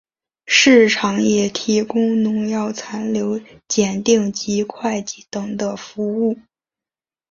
市场也提供农药残留检定及会计等的服务。